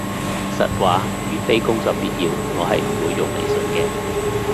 實話，如非工作必要，我係唔會用微信嘅